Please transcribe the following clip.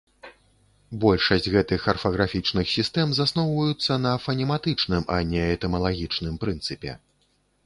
Большасць гэтых арфаграфічных сістэм засноўваюцца на фанематычным, а не этымалагічным прынцыпе.